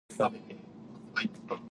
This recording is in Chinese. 原六安地区重点中学。